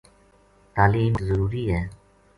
تعلیم مچ ضروری ہے۔